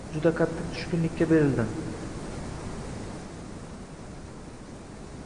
Juda qattiq tushkunlikka berildim